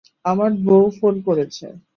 আমার বউ ফোন করেছে।